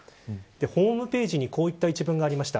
ホームページにこういった一文がありました。